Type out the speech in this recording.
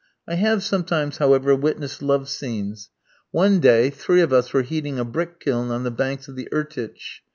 I have sometimes, however, witnessed love scenes. One day three of us were heating a brick kiln on the banks of the Irtitch.